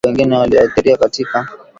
Mifugo wengine walioathiriwa katika